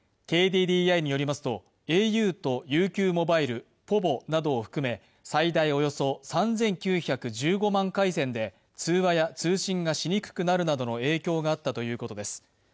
ＫＤＤＩによりますとａｕとＵＱモバイル、ｐｏｖｏなどを含め最大およそ３９１５万回線で通話や通信がしにくくなるなどの影響があったということです。